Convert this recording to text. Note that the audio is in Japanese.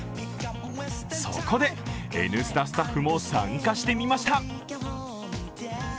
そこで「Ｎスタ」スタッフも参加してみました。